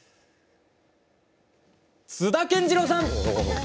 津田健次郎さん！